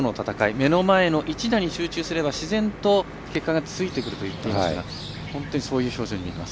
目の前の１打に集中すれば自然と結果がついてくると言ってましたが本当にそういう表情に見えます。